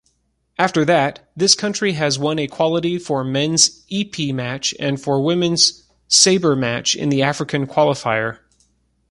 After that, this country has won a quality for men's epee match and one for woman's saber match in the African Qualifier.